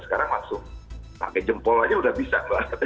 sekarang langsung pakai jempol aja udah bisa mbak